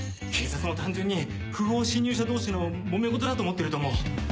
警察も単純に不法侵入者同士のもめ事だと思ってると思う。